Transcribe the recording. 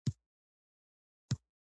دوی د اداري سلسله مراتبو تر رهبرۍ لاندې وي.